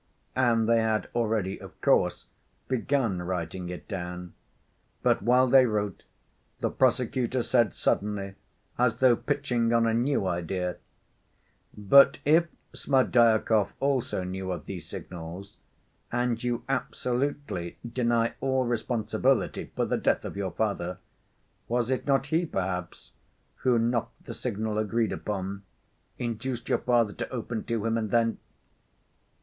And they had already, of course, begun writing it down. But while they wrote, the prosecutor said suddenly, as though pitching on a new idea: "But if Smerdyakov also knew of these signals and you absolutely deny all responsibility for the death of your father, was it not he, perhaps, who knocked the signal agreed upon, induced your father to open to him, and then